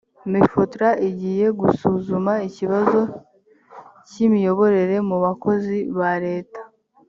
mifotra igiye gusuzuma ikibazo cy’imiyoborere mu bakozi ba leta